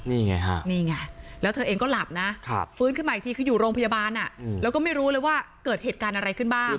นี่ไงฮะนี่ไงแล้วเธอเองก็หลับนะฟื้นขึ้นมาอีกทีคืออยู่โรงพยาบาลแล้วก็ไม่รู้เลยว่าเกิดเหตุการณ์อะไรขึ้นบ้าง